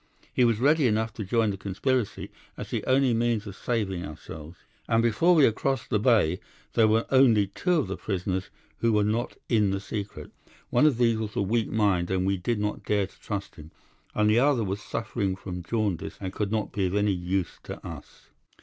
He was ready enough to join the conspiracy, as the only means of saving ourselves, and before we had crossed the Bay there were only two of the prisoners who were not in the secret. One of these was of weak mind, and we did not dare to trust him, and the other was suffering from jaundice, and could not be of any use to us.